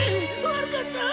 悪かった！